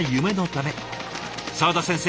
沢田先生